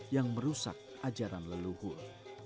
yang merusak ajaran leluhur